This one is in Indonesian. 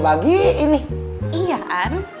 bagus jelas bagus